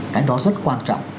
cái đó rất quan trọng